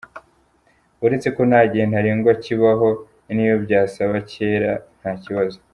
Uretse ko nta gihe ntarengwa kibaho n’iyo byazaba kera nta kibazo.